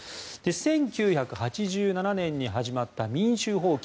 １９８７年に始まった民衆蜂起